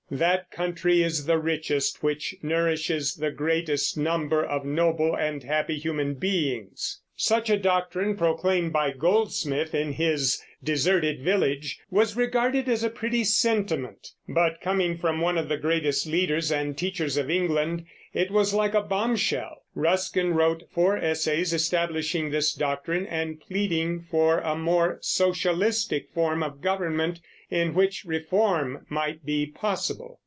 That country is the richest which nourishes the greatest number of noble and happy human beings." Such a doctrine, proclaimed by Goldsmith in his Deserted Village, was regarded as a pretty sentiment, but coming from one of the greatest leaders and teachers of England it was like a bombshell. Ruskin wrote four essays establishing this doctrine and pleading for a more socialistic form of government in which reform might be possible.